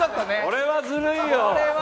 これはずるいよ！